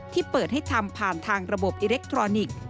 ที่เปิดให้ทำผ่านทางระบบอิเล็กทรอนิกส์